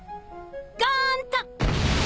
ゴーンと！